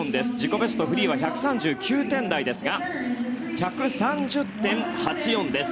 ベストフリーは１３９点台ですが１３０．８４です。